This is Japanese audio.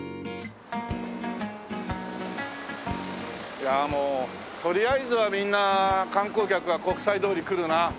いやあもうとりあえずはみんな観光客は国際通り来るな。